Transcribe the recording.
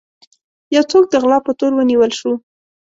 يو څوک د غلا په تور ونيول شو.